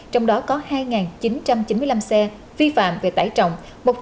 trong đó có hai chín trăm chín mươi năm xe vi phạm về tải trọng